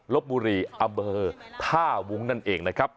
ลบบุรีอำเภอท่าวุ้งนั่นเองนะครับ